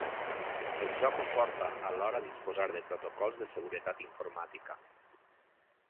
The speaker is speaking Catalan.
Això comporta alhora disposar de protocols de seguretat informàtica.